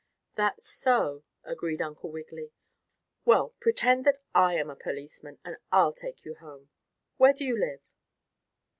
"That's so," agreed Uncle Wiggily. "Well, pretend that I am a policeman, and I'll take you home. Where do you live?"